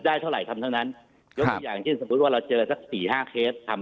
ได้เท่าไหร่ทำทั้งนั้นอย่างที่สมมุติว่าเราเจอสัก๔๕เคสทำ